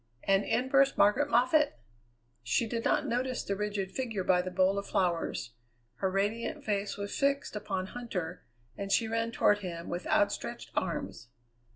And in burst Margaret Moffatt! She did not notice the rigid figure by the bowl of flowers; her radiant face was fixed upon Huntter, and she ran toward him with outstretched arms.